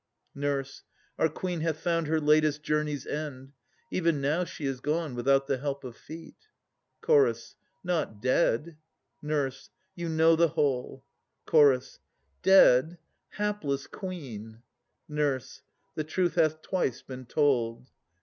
NUR. Our Queen hath found her latest journey's end. Even now she is gone, without the help of feet. CH. Not dead? NUR. You know the whole. CH. Dead! hapless Queen! NUR. The truth hath twice been told.